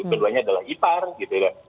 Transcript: keduanya adalah ipar gitu ya